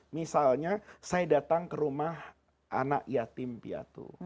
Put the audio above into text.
misalnya saya datang ke rumah anak yatim piatu